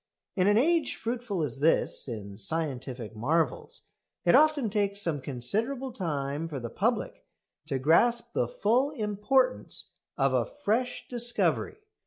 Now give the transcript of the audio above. In an age fruitful as this in scientific marvels, it often takes some considerable time for the public to grasp the full importance of a fresh discovery.